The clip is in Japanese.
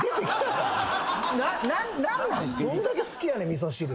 どんだけ好きやねん味噌汁。